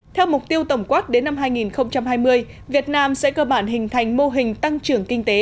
theo mục tiêu tổng quát đến năm hai nghìn hai mươi việt nam sẽ cơ bản hình thành mô hình tăng trưởng kinh tế